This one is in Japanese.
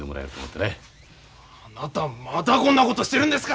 あなたまだこんなことしてるんですか！